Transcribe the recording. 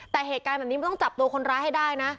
แต่เหตุการณ์แบบนี้มันต้องจับตัวคนร้ายให้ได้นะ